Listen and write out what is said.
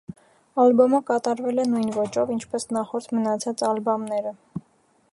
Ալբոմը կատարվել է նույն ոճով, ինչպես նախորդ մնացած ալբամները։